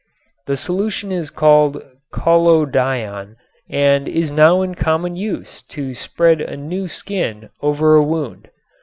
The solution is called collodion and is now in common use to spread a new skin over a wound.